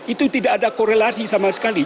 itu tidak ada korelasi sama sekali